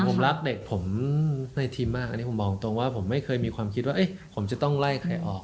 ผมรักเด็กผมในทีมมากอันนี้ผมบอกตรงว่าผมไม่เคยมีความคิดว่าผมจะต้องไล่ใครออก